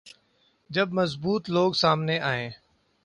جب مضبوط لوگ سامنے آئیں۔